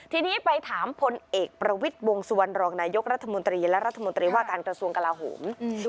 ทีนี้ไปถามพลเอกประวิทย์วงสุวรรณรองนายกรัฐมนตรีและรัฐมนตรีว่าการกระทรวงกลาโหม